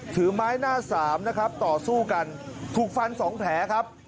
ถือไม้หน้าสามต่อสู้กันถูกฟัน๒แผล